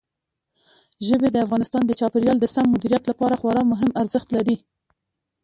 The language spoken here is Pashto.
ژبې د افغانستان د چاپیریال د سم مدیریت لپاره خورا مهم ارزښت لري.